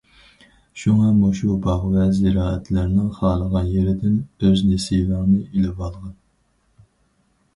شۇڭا، مۇشۇ باغ ۋە زىرائەتلەرنىڭ خالىغان يېرىدىن ئۆز نېسىۋەڭنى ئېلىۋالغىن.